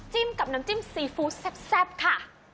กับน้ำจิ้มซีฟู้ดแซ่บค่ะ